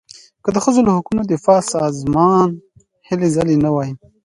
که د ښځو له حقونو دفاع سازمان هلې ځلې نه وای.